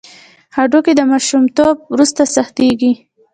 هډوکي د ماشومتوب وروسته سختېږي.